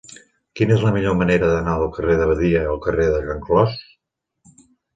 Quina és la millor manera d'anar del carrer de Badia al carrer de Can Clos?